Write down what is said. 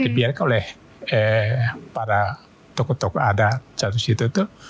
dibiarkan oleh para tokoh tokoh ada satu situ itu